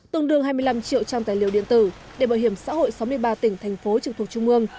tương đương hai mươi năm triệu trang tài liệu điện tử để bảo hiểm xã hội sáu mươi ba tỉnh thành phố trực thuộc trung ương